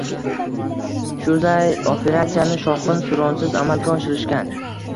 Shu zayl operatsiyani shovqin-suronsiz amalga oshirishgan